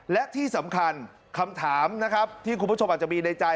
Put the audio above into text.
และที่สำคัญคำถามนะครับที่คุณผู้ชมอาจจะมีในใจ